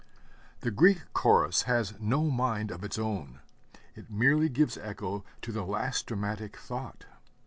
The Greek Chorus has no mind of its own; it merely gives echo to the last dramatic thought.